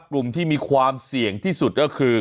กลุ่มที่มีความเสี่ยงที่สุดก็คือ